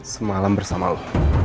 semalam bersama lo